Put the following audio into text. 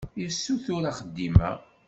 Yessuter axeddim-a.